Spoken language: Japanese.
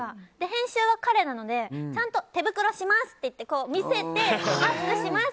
編集は彼なのでちゃんと手袋しますって見せてマスクします！